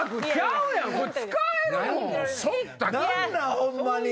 ホンマに！